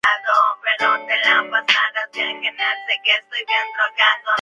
Actualmente milita en Gualaceo de la Serie B de Ecuador.